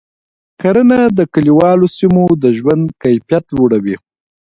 کرنه د کلیوالو سیمو د ژوند کیفیت لوړوي.